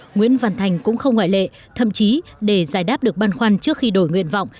nguyễn văn thành cũng không ngoại lệ thậm chí để giải đáp được băn khoăn trước khi đổi nguyện vọng